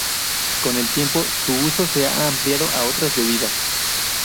Con el tiempo su uso se ha ampliado a otras bebidas.